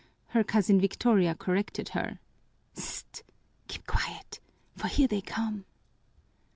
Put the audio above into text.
her cousin Victoria corrected her. "Sst! Keep quiet, for here they come!"